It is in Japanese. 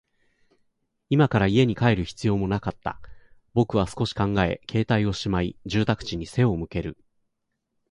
今から家に帰る必要もなかった。僕は少し考え、携帯をしまい、住宅地に背を向ける。